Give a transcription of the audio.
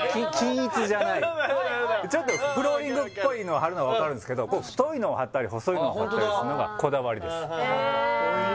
なるほどなるほどちょっとフローリングっぽいのはるのは分かるんですけどこう太いのをはったり細いのをはったりするのがこだわりです